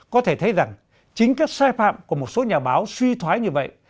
có thể thấy rằng chính các sai phạm của một số nhà báo suy thoái như vậy